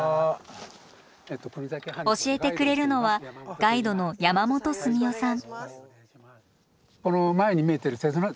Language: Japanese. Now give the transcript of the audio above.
教えてくれるのはガイドの山本純夫さん。